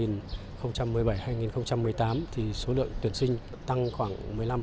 năm hai nghìn một mươi tám số lượng tuyển sinh tăng khoảng một mươi năm